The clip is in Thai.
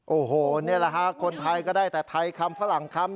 โอ้โหนี่แหละฮะคนไทยก็ได้แต่ไทยคำฝรั่งคำ